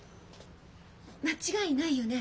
間違いないよね。